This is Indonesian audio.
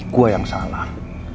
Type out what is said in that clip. gue yang salah